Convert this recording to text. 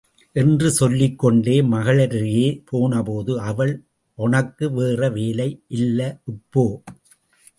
என்று சொல்லிக்கொண்டே மகளருகே போனபோது, அவள், ஒனக்கு வேற வேல இல்ல இப்போ?